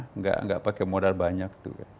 tidak pakai modal banyak